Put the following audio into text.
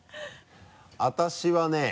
私はね